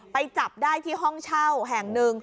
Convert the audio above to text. ไปจับได้ที่ห้องเช่าแห่งหนึ่ง